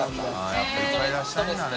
やっぱりいっぱい出したいんだね